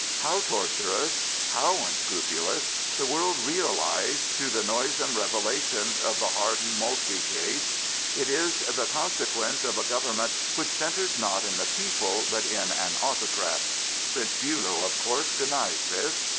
How tortuous, how unscrupulous, the world realised through the noisome revelations of the Harden Moltke case. It is the consequence of a government which centres not in the people, but in an autocrat. Prince Billow, of course, denies this.